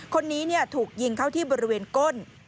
คนนี้ถูกยิงเข้าที่บริเวณก้น